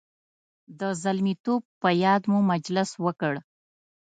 د زلمیتوب په یاد مو مجلس وکړ.